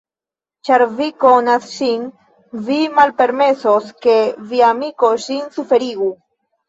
Ĉar vi konas ŝin, vi malpermesos, ke via amiko ŝin suferigu.